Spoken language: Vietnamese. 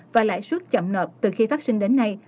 và lãi suất chậm nợ từ khi phát sinh đến nay